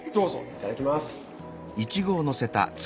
いただきます。